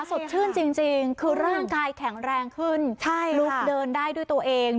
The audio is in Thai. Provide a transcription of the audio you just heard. สดชื่นจริงคือร่างกายแข็งแรงขึ้นใช่ลุกเดินได้ด้วยตัวเอง